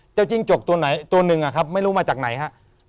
เจ้าจิ้งจกตัวหนึ่งไม่รู้มาจากไหนครับ